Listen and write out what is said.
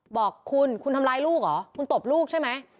บอกคุณคุณทำร้ายลูกเหรอคุณตบลูกใช่ไหม